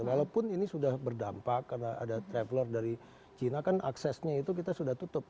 walaupun ini sudah berdampak karena ada traveler dari china kan aksesnya itu kita sudah tutup